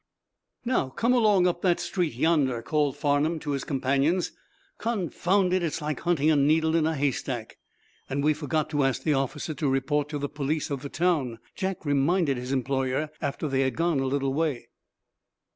"Now, come along up that street, yonder," called Farnum to his companions. "Confound it, it's like hunting a needle in a hay stack!" "And we forgot to ask that officer to report to the police of the town," Jack reminded his employer, after they had gone a little way.